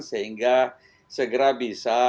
sehingga segera bisa